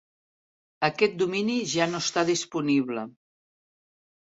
Aquest domini ja no està disponible.